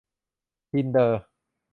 ทินเดอร์